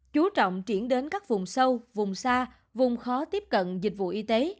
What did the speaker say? chú trọng chuyển đến các vùng sâu vùng xa vùng khó tiếp cận dịch vụ y tế